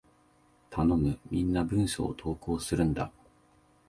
頼む！みんな文章を投稿するんだ！